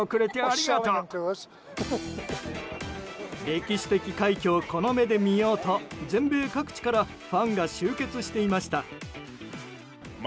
歴史的快挙をこの目で見ようと全米各地からファンが集結していました。